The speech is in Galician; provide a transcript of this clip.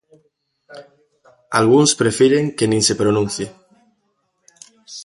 Algúns prefiren que nin se pronuncie.